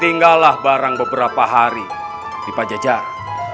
tinggallah barang beberapa hari di pajajar